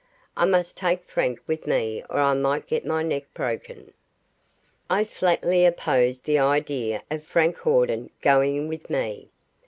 I must take Frank with me or I might get my neck broken. I flatly opposed the idea of Frank Hawden going with me.